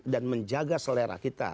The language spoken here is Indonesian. dan menjaga selera kita